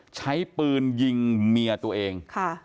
ใช้ปืนยิงเมียตัวเอง